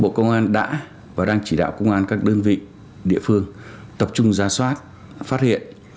bộ công an đã và đang chỉ đạo công an các đơn vị địa phương tập trung ra soát phát hiện